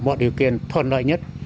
mọi điều kiện thuận lợi nhất